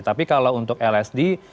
tapi kalau untuk lsd